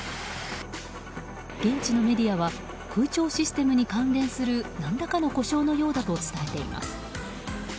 現地のメディアは空調システムに関連する何らかの故障のようだと伝えています。